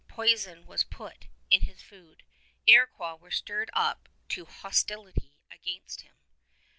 Poison was put in his food. Iroquois were stirred up to hostility against him.